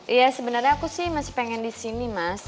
iya sebenarnya aku sih masih pengen di sini mas